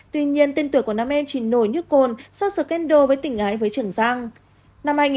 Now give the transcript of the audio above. tuy nhiên tên tuổi của nam em chỉ nổi như cồn sau sự kendo với tình ái với trường giang